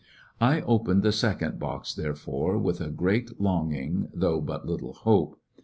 I opened the second box, therefore, with a great longing, though but little hope.